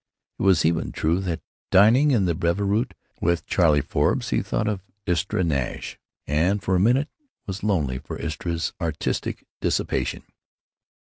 It is even true that, dining at the Brevoort with Charley Forbes, he though of Istra Nash, and for a minute was lonely for Istra's artistic dissipation.